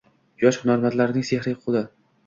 Yosh hunarmandning sehrli qo‘li